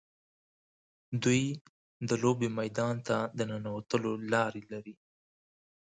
دوی د لوبې میدان ته د ننوتلو لارې لري.